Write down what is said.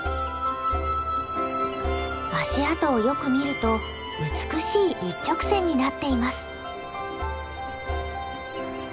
足跡をよく見ると美しい一直線になっています。